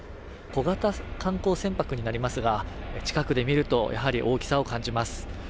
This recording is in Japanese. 小型観光船舶になりますが、近くで見ると大きさを感じます。